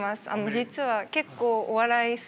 実は結構お笑い好きで。